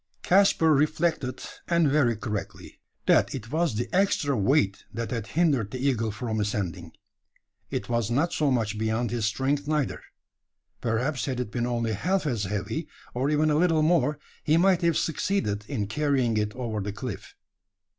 Caspar reflected, and very correctly: that it was the extra weight that had hindered the eagle from ascending. It was not so much beyond his strength neither. Perhaps had it been only half as heavy, or even a little more, he might have succeeded in carrying it over the cliff.